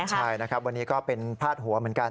ใช่นะครับวันนี้ก็เป็นพาดหัวเหมือนกัน